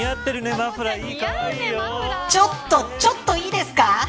マフラーちょっといいですか。